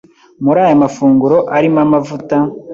Muri aya mafunguro arimo amavuta